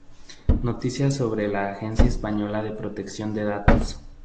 Noticias sobre la Agencia Española de Protección de Datos